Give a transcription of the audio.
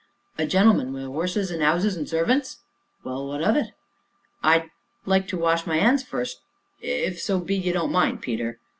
"A gentleman wi' 'orses an' 'ouses an' servants?" "Well what of it?" "I'd like to wash my 'ands first, if so be you don't mind, Peter."